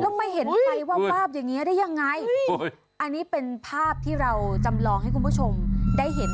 แล้วมาเห็นไฟวาบอย่างนี้ได้ยังไงอันนี้เป็นภาพที่เราจำลองให้คุณผู้ชมได้เห็น